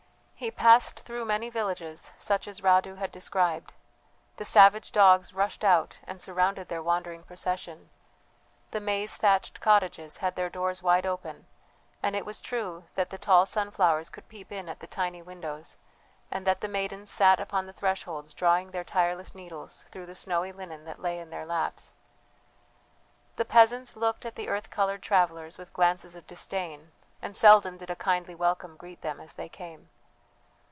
He passed through many villages such as Radu had described: the savage dogs rushed out and surrounded their wandering procession, the maize thatched cottages had their doors wide open, and it was true that the tall sunflowers could peep in at the tiny windows, and that the maidens sat upon the thresholds drawing their tireless needles through the snowy linen that lay in their laps. The peasants looked at the earth coloured travellers with glances of disdain; and seldom did a kindly welcome greet them as they came.